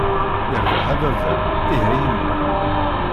Yirbeḥ a baba, ih a yemma!